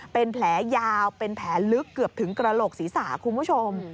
เป็นแผลยาวเป็นแผลลึกเกือบถึงกระโหลกศีรษะคุณผู้ชม